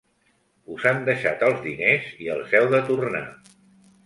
Us han deixat els diners i els heu de tornar.